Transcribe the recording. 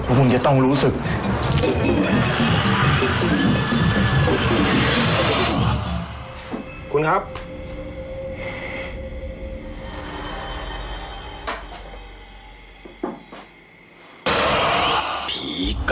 คุณจะต้องรู้สึก